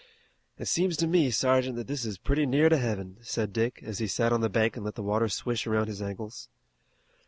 "It seems to me, sergeant, that this is pretty near to Heaven," said Dick as he sat on the bank and let the water swish around his ankles.